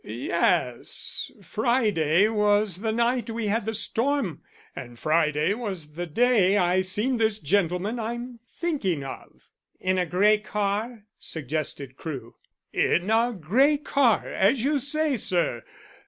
Yes, Friday was the night we had the storm, and Friday was the day I seen this gentleman I'm thinking of." "In a grey car?" suggested Crewe. "In a grey car, as you say, sir.